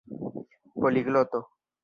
poligloto